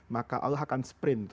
maka allah akan sprint